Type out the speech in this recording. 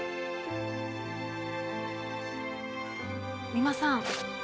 三馬さん。